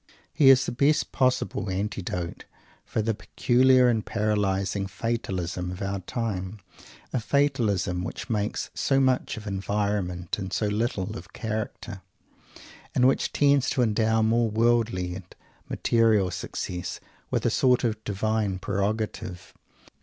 He is the best possible antidote for the peculiar and paralysing fatalism of our time, a fatalism which makes so much of "environment" and so little of "character," and which tends to endow mere worldly and material success with a sort of divine prerogative.